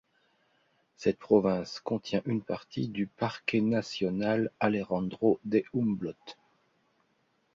Cette province contient une partie du Parque Nacional Alejandro de Humboldt.